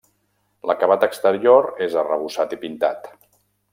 L'acabat exterior és arrebossat i pintat.